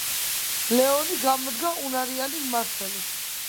ლეონი გამოდგა უნარიანი მმართველი.